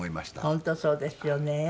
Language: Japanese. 本当そうですよね。